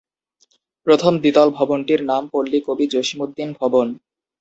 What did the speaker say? প্রথম দ্বিতল ভবনটির নাম "পল্লী কবি জসিম উদ্দিন ভবন"।